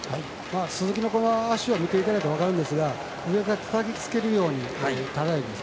鈴木の足を見ていただいたら分かるんですが上からたたきつけるようにたたいてます。